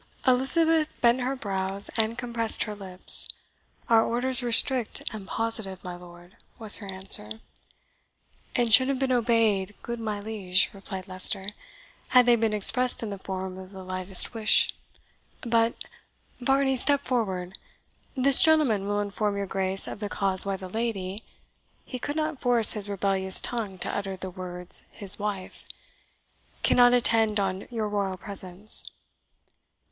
Elizabeth bent her brews and compressed her lips. "Our orders were strict and positive, my lord," was her answer "And should have been obeyed, good my liege," replied Leicester, "had they been expressed in the form of the lightest wish. But Varney, step forward this gentleman will inform your Grace of the cause why the lady" (he could not force his rebellious tongue to utter the words HIS WIFE) "cannot attend on your royal presence."